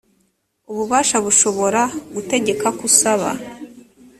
ububasha bushobora gutegeka ko usaba